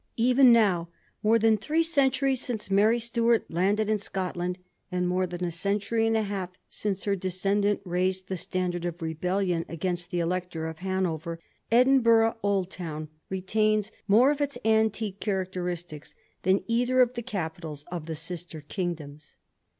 Even now, more than three centuries since Mary Stuart landed in Scotland, and more than a century and a half since her descendant raised the standard of rebellion against the Elector of Hanover, Edinburgh Old Town retains more of its antique characteristics than either of the K^pitals of the sister kingdoms.